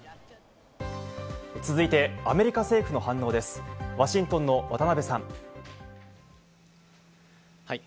続いてアメリカ政府の反応ではい。